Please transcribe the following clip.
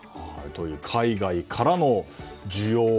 海外からの需要を。